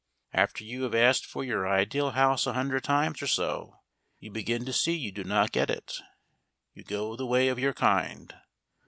After you have asked for your ideal house a hundred times or so you begin to see you do not get it. You go the way of your kind.